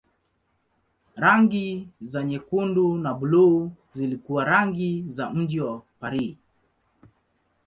Rangi za nyekundu na buluu zilikuwa rangi za mji wa Paris.